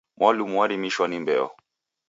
Mwalumu warimishwa ni mbeo